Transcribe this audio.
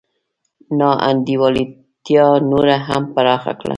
نا انډولتیا نوره هم پراخه کړه.